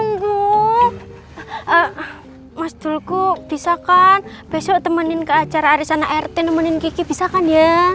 kenapa mas dulgu bisakan besok temenin ke acara arianaerte temenin kiki biasa kan ya